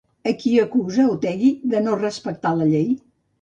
A qui acusa Otegi de no respectar la llei?